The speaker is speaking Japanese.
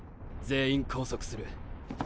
全員拘束する。